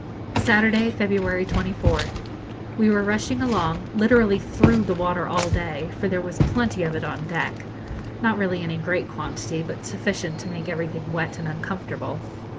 Saturday, February 24th. We were rushing along, literally through the water all day, for there was plenty of it on deck not really any great quantity, but sufficient to make everything wet and uncomfortable.